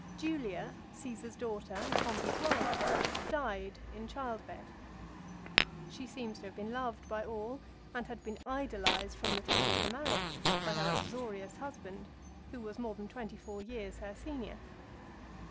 Julia, Caesar's daughter and Pompey's wife, died in childbed. She seems to have been loved by all, and had been idolised from the time of the marriage by her uxorious husband who was more than twenty four years her senior.